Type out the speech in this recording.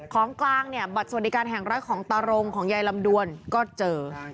ของกลางเนี่ยบัตรสวัสดิการแห่งรัฐของตารงของยายลำดวนก็เจอ